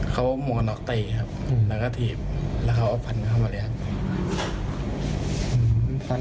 ใช่ครับ